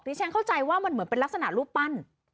นี่ฉันเข้าใจว่าเป็นลักษณะรูปปั้น